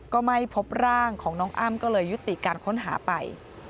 ก็ไม่พบร่างของน้องอ้ำก็เลยยุติการค้นหาไป